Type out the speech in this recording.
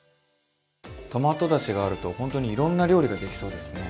トマトだしがあるとほんとにいろんな料理ができそうですね。